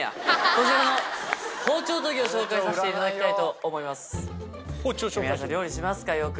こちらの包丁研ぎを紹介させていただきます。